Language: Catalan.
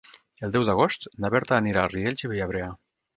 El deu d'agost na Berta anirà a Riells i Viabrea.